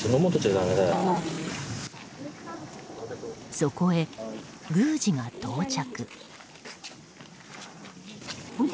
そこへ宮司が到着。